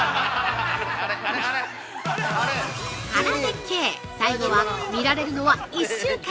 花絶景、最後は見られるのは１週間！